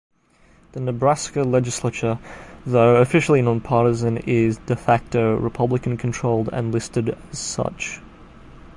The Nebraska legislature, though officially nonpartisan, is "de facto" Republican-controlled, and listed as such.